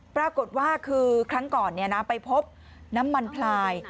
ปรากฏว่าคือครั้งก่อนไปพบน้ำมันพลาย